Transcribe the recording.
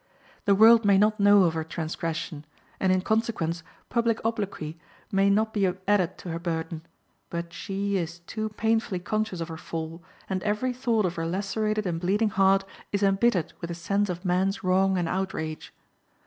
The world may not know of her transgression, and, in consequence, public obloquy may not be added to her burden; but she is too painfully conscious of her fall, and every thought of her lacerated and bleeding heart is embittered with a sense of man's wrong and outrage.